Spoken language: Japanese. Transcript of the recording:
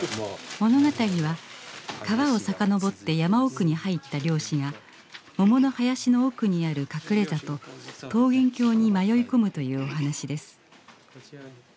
物語は川を遡って山奥に入った漁師が桃の林の奥にある隠れ里桃源郷に迷い込むというお話です。